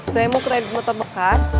saya mau kredit motor bekas